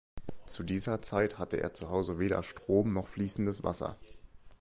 Zu dieser Zeit hatte er zu Hause weder Strom noch fließendes Wasser.